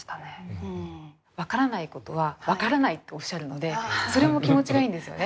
分からないことは分からないっておっしゃるのでそれも気持ちがいいんですよね。